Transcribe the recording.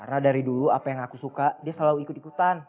karena dari dulu apa yang aku suka dia selalu ikut ikutan